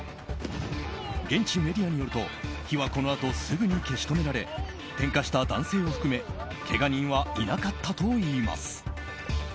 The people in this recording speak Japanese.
現地メディアによると火はこのあとすぐに消し止められ点火した男性を含めけが人はいなかったといいます。